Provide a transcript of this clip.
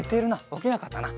おきなかったな。